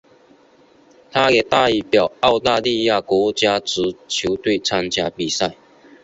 他也代表澳大利亚国家足球队参加比赛。